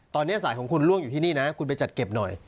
ตอนนี้สายของคุณล่วงอยู่ที่นี่นะคุณไปจัดเก็บหน่อย